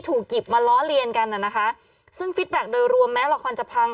ถูกกิบมาล้อเรียนกันอะนะคะซึ่งโดยรวมแม้ละครจะพัง